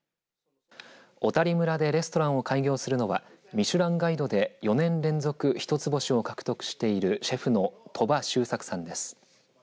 小谷村でレストランを開業するのはミシュランガイドで４年連続一つ星を獲得しているシェフの鳥羽周作さんです。